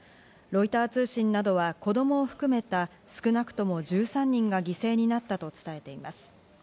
ロイター通信などは、子供を含めた、少なくとも１３人が犠牲になったと伝えています。